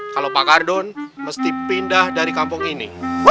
kalau pak kardon mesti pindah dari kampung ini